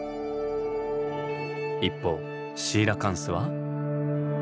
一方シーラカンスは？